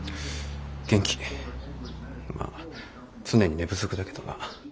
まあ常に寝不足だけどな。